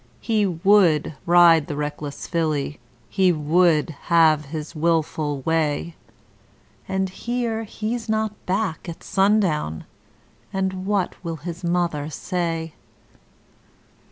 He WOULD ride the Reckless filly, he WOULD have his wilful way; And, here, he's not back at sundown and what will his mother say?